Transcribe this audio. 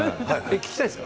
聞きたいですか？